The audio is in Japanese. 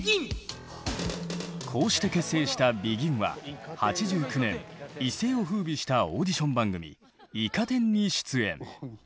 こうして結成したＢＥＧＩＮは８９年一世を風靡したオーディション番組「イカ天」に出演。